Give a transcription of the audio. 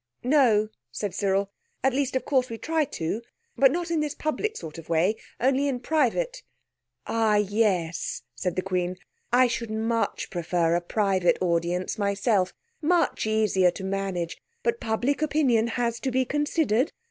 "No," said Cyril; "at least of course we try to, but not in this public sort of way, only in private." "Ah, yes," said the Queen, "I should much prefer a private audience myself—much easier to manage. But public opinion has to be considered.